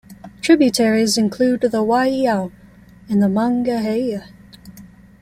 Tributaries include the Waiau and the Mangaheia.